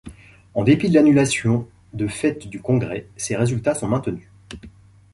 En dépit de l'annulation de fait du congrès, ses résultats sont maintenus.